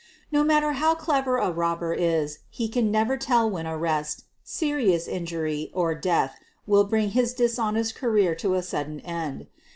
No matter how clever a robber is he can never tell when arrest, serious injury, or death will bring his dishonest career to a sudden end.